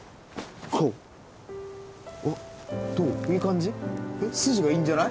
いい感じ？